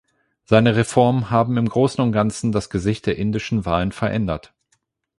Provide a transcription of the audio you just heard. Seine Reformen haben im Großen und Ganzen das Gesicht der indischen Wahlen verändert.